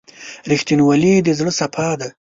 • رښتینولي د زړه صفا ده.